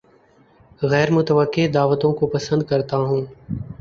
غیر متوقع دعوتوں کو پسند کرتا ہوں